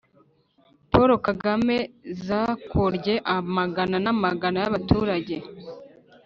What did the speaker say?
paul kagame zakorye amagana n'amagana y'abaturage